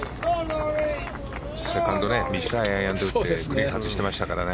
セカンドを短いアイアンで打って外していましたからね。